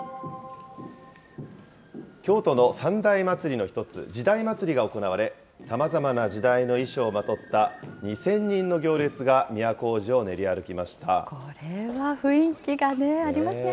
京都の三大祭りの一つ、時代祭が行われ、さまざまな時代の衣装をまとった２０００人の行列が都大路を練りこれは雰囲気がありますね。